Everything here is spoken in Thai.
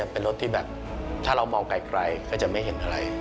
เป็นรถที่แบบถ้าเรามองไกลก็จะไม่เห็นอะไร